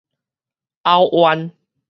拗彎